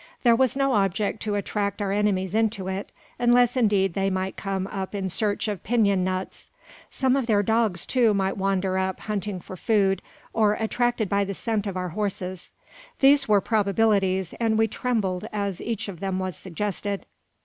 There was no object to attract our enemies into it, unless indeed they might come up in search of pinon nuts. Some of their dogs, too, might wander up, hunting for food, or attracted by the scent of our horses. These were probabilities, and we trembled as each of them was suggested.